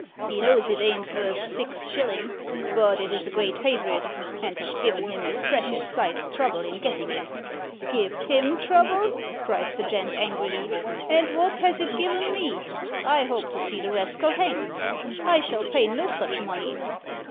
He knows it ain't vorth six shillin', but it's a great favourite, and has given him a precious sight o' trouble in gettin' it.' 'Give him trouble!' cries the gent angrily 'and what has it given me? I hope to see the rascal hanged! I shall pay no such money.'